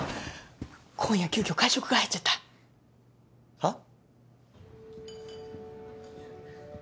今夜急きょ会食が入っちゃったはっ？